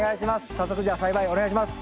早速じゃあ栽培お願いします。